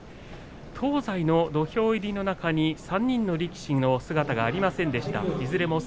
東西の土俵入りの中に３人の力士の姿がありませんでした。